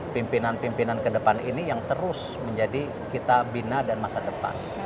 pimpinan pimpinan ke depan ini yang terus menjadi kita bina dan masa depan